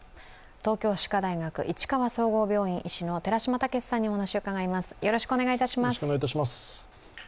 東京歯科大学市川総合病院医師の寺嶋毅さんにお話を伺います。